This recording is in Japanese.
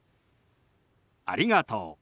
「ありがとう」。